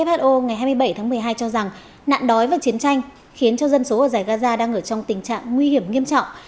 who ngày hai mươi bảy tháng một mươi hai cho rằng nạn đói và chiến tranh khiến cho dân số ở giải gaza đang ở trong tình trạng nguy hiểm nghiêm trọng